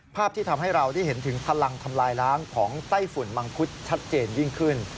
ที่ทำให้เราได้เห็นถึงพลังทำลายล้างของไต้ฝุ่นมังคุดชัดเจนยิ่งขึ้น